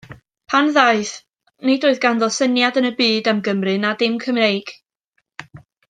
Pan ddaeth, nid oedd ganddo syniad yn y byd am Gymru na dim Cymreig.